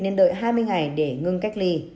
nên đợi hai mươi ngày để ngưng cách ly